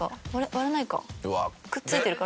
割れないか。